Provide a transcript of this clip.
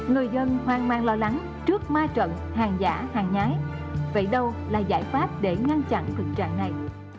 người dân hoang mang lo lắng trước ma trận hàng giả hàng nhái vậy đâu là giải pháp để ngăn chặn thực trạng này